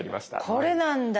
これなんだ。